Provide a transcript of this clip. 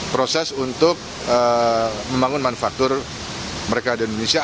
proses untuk membangun manufaktur mereka di indonesia